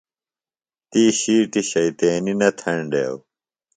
تی شِیٹیۡ شیطینیۡ نہ تھینڈیوۡ۔